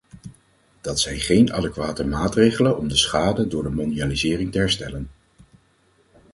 Dat zijn geen adequate maatregelen om de schade door de mondialisering te herstellen.